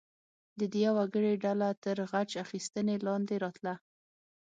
د دیه ورکړې ډله تر غچ اخیستنې لاندې راتله.